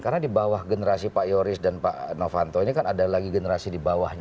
karena di bawah generasi pak yoris dan pak novanto ini kan ada lagi generasi di bawahnya